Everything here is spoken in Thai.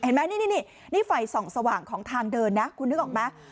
เห็นไหมนี่ไฟส่องสว่างของทางเดินนะคุณนึกออกไหม